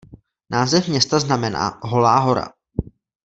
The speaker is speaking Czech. Název města znamená "holá hora".